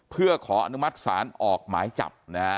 เพื่อขออนุมัติศาลออกหมายจับนะฮะ